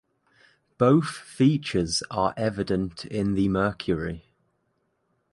Both features are evident in the Mercury.